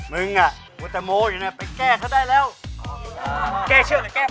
มึงอ่ะพูดตะโมอยู่นะไปแก้เค้าได้แล้ว